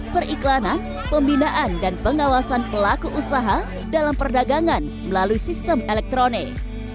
periklanan pembinaan dan pengawasan pelaku usaha dalam perdagangan melalui sistem elektronik